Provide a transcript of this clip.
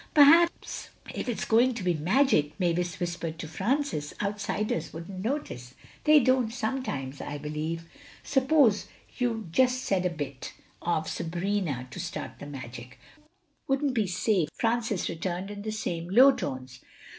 "Perhaps if it's going to be magic," Mavis whispered to Francis, "outsiders wouldn't notice. They don't sometimes—I believe. Suppose you just said a bit of 'Sabrina' to start the magic." "Wouldn't be safe," Francis returned in the same low tones.